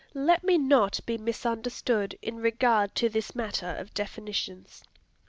Let me not be misunderstood in regard to this matter of definitions.